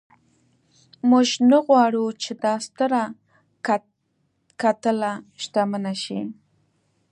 موږ نه غواړو چې دا ستره کتله شتمنه شي.